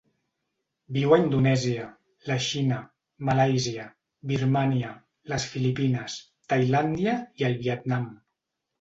Viu a Indonèsia, la Xina, Malàisia, Birmània, les Filipines, Tailàndia i el Vietnam.